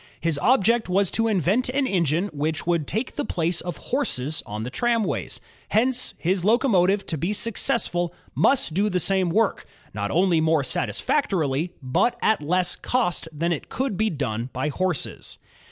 His object was to invent an engine which would take the place of horses on the tramways. Hence, his locomotive to be successful must do the same GEORGE STEPHENSON 59 work, not only more satisfactorily, but at less cost than it could be done by horses.